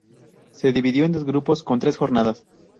Se dividió en dos grupos con tres jornadas.